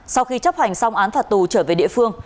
sau khi chấp hành xong án thả tù trở về địa phương